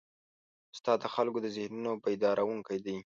استاد د خلکو د ذهنونو بیدارونکی دی.